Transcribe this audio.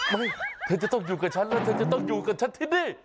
เธอจะต้องอยู่กับฉันแล้วเธอจะต้องอยู่กับฉันที่นี่